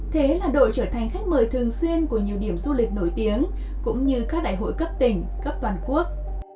thế hà nội trở thành khách mời thường xuyên của nhiều điểm du lịch nổi tiếng cũng như các đại hội cấp tỉnh cấp toàn quốc